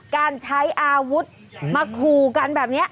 การใช้อาวุธมาขู่กันแบบนี้